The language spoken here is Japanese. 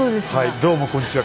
どうもこんにちは。